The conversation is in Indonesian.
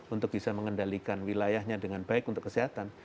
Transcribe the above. untuk bisa mengendalikan wilayahnya dengan baik untuk kesehatan